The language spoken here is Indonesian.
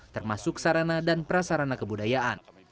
termasuk sarana dan prasarana kebudayaan